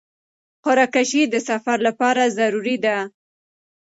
قرعه کشي د سفر لپاره ضروري ده.